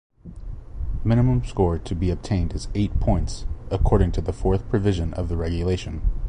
Minimum score to be obtained is eight points, according to the fourth provision of the regulation.